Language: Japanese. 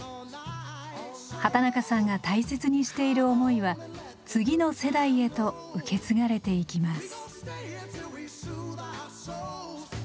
畠中さんが大切にしている思いは次の世代へと受け継がれていきます。